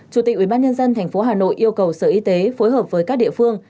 chủ tịch ubnd tp hà nội yêu cầu sở y tế phối hợp với các địa phương